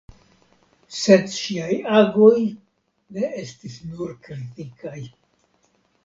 Sed ŝiaj agoj ne estis nur kritikaj.